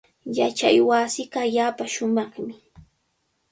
Yachaywasiiqa allaapa shumaqmi.